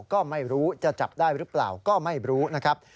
ก็ไม่รู้จะจับได้หรือเปล่าก็ไม่รู้นะครับ